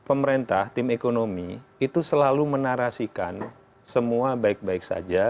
pemerintah tim ekonomi itu selalu menarasikan semua baik baik saja